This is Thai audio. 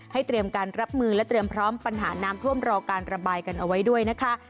เตรียมการรับมือและเตรียมพร้อมปัญหาน้ำท่วมรอการระบายกันเอาไว้ด้วยนะคะ